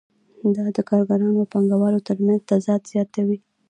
دا د کارګرانو او پانګوالو ترمنځ تضاد زیاتوي